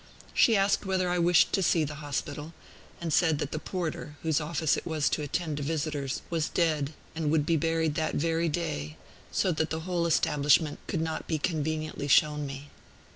She asked whether I wished to see the hospital, and said that the porter, whose office it was to attend to visitors, was dead, and would be buried that very day, so that the whole establishment could not conveniently be shown me.